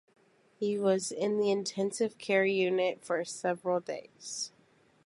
He was in the intensive care unit for several days.